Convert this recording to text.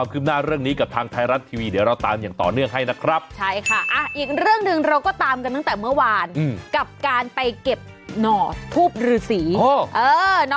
อันหน่อยอีกเรื่องหนึ่งเราก็ตามกันตั้งแต่เมื่อวาน